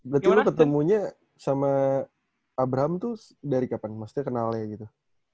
berarti lu ketemunya sama abraham tuh dari kapan maksudnya kenalnya gitu